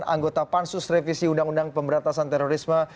anggota pansus revisi undang undang pemberantasan terorisme